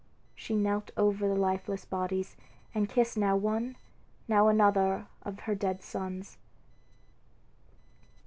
She knelt over the lifeless bodies, and kissed now one, now another of her dead sons.